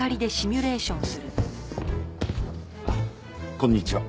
こんにちは。